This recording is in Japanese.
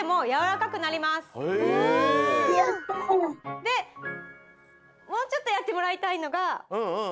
でもうちょっとやってもらいたいのがてを。